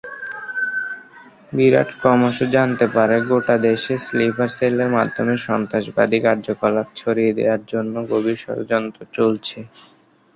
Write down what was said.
বিরাট ক্রমশ জানতে পারে গোটা দেশে স্লিপার সেলের মাধ্যমে সন্ত্রাসবাদী কার্যকলাপ ছড়িয়ে দেওয়ার জন্যে গভীর ষড়যন্ত্র চলছে।